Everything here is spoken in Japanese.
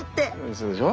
そうでしょ。